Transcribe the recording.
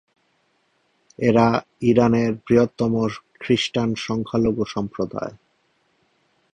এরা ইরানের বৃহত্তম খ্রিস্টান সংখ্যালঘু সম্প্রদায়।